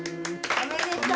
おめでとう。